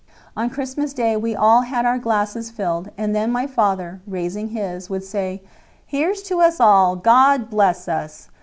On Christmas Day we all had our glasses filled, and then my father, raising his, would say: "Here's to us all. God bless us!"